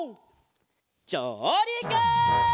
じょうりく！